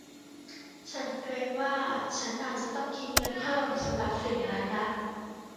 ฉันเกรงว่า ฉันอาจต้องคิดเงินเพิ่มสำหรับสิ่งนั้นนะ